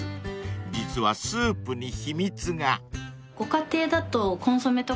［実はスープに秘密が］